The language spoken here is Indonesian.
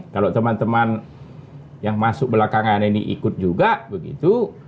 kalau teman teman yang masuk belakangan ini ikut juga begitu